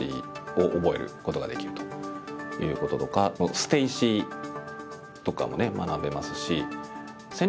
捨て石とかもね学べますし。